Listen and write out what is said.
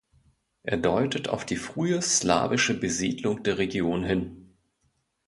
Er deutet auf die frühe slawische Besiedlung der Region hin.